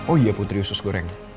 oh iya putri usus goreng